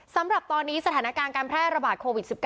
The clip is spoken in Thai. สำหรับตอนนี้สถานการณ์การแพร่ระบาดโควิด๑๙